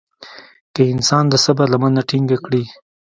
که انسان د صبر لمنه ټينګه کړي.